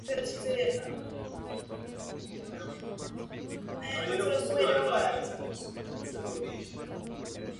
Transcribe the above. Rozšířené funkce není možné použít ve spojení s původními příkazy.